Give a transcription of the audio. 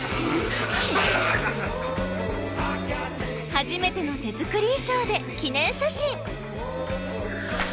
初めての手作り衣装で記念写真。